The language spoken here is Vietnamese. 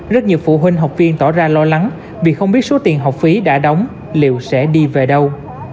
rất nhiều phụ huynh học viên tỏ ra lo lắng vì không biết số tiền học phí đã đóng liệu sẽ đi về đâu